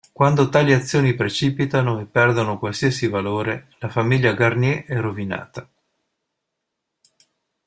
Quando tali azioni precipitano e perdono qualsiasi valore, la famiglia Garnier è rovinata.